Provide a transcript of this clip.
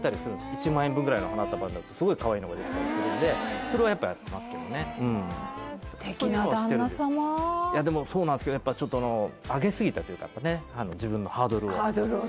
１万円分ぐらいの花束だとすごいかわいいのができたりするんでそれはやっぱやってますけどねでもそうなんですけどやっぱちょっとハードルをね